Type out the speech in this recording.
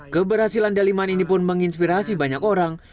keberhasilan daliman ini pun menginspirasi banyak orang